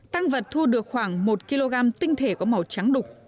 tăng vật thu được khoảng một kg tinh thể có màu trắng đục